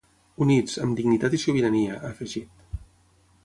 Units, amb dignitat i sobirania, ha afegit.